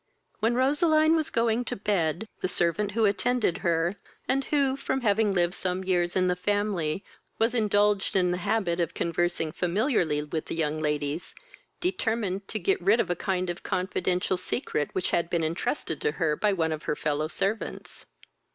When Roseline was going to bed, the servant who attended her, and who, from having lived some years in the family, was indulged in the habit of conversing familiarly with the young ladies, determined to get rid of a kind of confidential secret, which had been entrusted to her by one of her fellow servants.